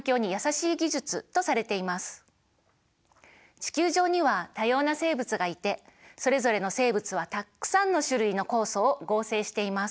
地球上には多様な生物がいてそれぞれの生物はたくさんの種類の酵素を合成しています。